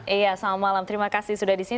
iya selamat malam